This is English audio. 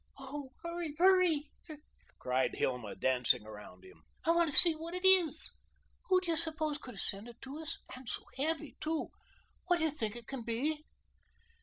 "Oh, hurry, hurry," cried Hilma, dancing around him. "I want to see what it is. Who do you suppose could have sent it to us? And so heavy, too. What do you think it can be?"